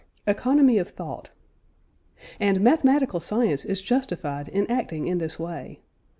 ECONOMY OF THOUGHT. And mathematical science is justified in acting in this way.